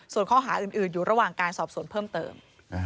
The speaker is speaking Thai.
ส่วนข้อหาอื่นอยู่ระหว่างการสอบสวนเพิ่มเติม